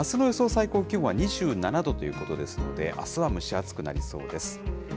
最高気温は２７度ということですので、あすは蒸し暑くなりそうです。